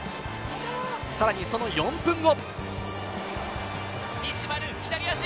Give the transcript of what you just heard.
さらに、その４分後。